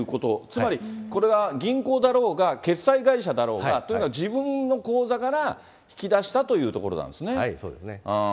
つまりこれが銀行だろうが、決済会社だろうが、とにかく自分の口座から引き出したというところなんですね。